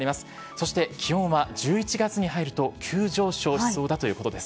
そして、気温は１１月に入ると、急上昇しそうだということです。